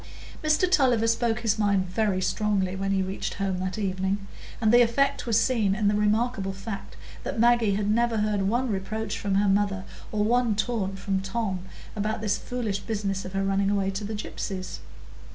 Mr Tulliver spoke his mind very strongly when he reached home that evening; and the effect was seen in the remarkable fact that Maggie never heard one reproach from her mother, or one taunt from Tom, about this foolish business of her running away to the gypsies.